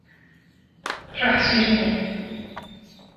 Rih şêrîn e